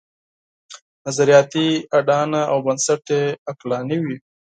نظریاتي اډانه او بنسټ یې عقلاني وي.